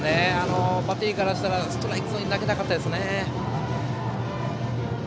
バッテリーからしたらストライクゾーンに投げたかったですね。